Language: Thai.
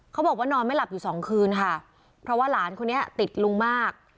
บอกว่านอนไม่หลับอยู่สองคืนค่ะเพราะว่าหลานคนนี้ติดลุงมาก